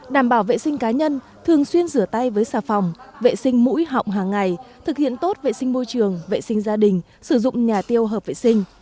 đảm bảo vệ sinh cá nhân thường xuyên rửa tay với xà phòng vệ sinh mũi họng hàng ngày thực hiện tốt vệ sinh môi trường vệ sinh gia đình sử dụng nhà tiêu hợp vệ sinh